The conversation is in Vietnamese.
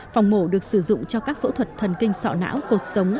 phòng mổ được sử dụng cho các phẫu thuật thần kinh sọ não cột sống